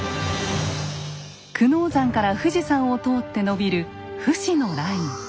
久能山から富士山を通って延びる不死のライン。